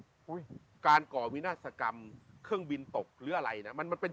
อุ้ยการก่อวินาศกรรมเครื่องบินตกหรืออะไรนะมันมันเป็น